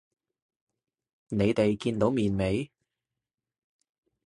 你哋見到面未？